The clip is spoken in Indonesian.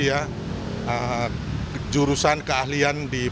yang seterusnya jurusan keahlian di pendidikan